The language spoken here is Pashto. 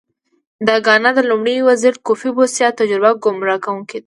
د ګانا د لومړي وزیر کوفي بوسیا تجربه ګمراه کوونکې ده.